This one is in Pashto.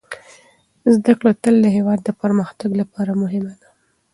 زده کړه تل د هېواد د پرمختګ لپاره مهمه ده.